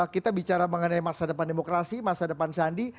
kita bicara mengenai masa depan demokrasi masa depan sandi